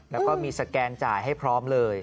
แล้วก็มีสแกนจ่ายให้พร้อมเลย